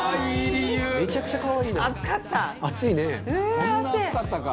「めちゃくちゃ可愛いな」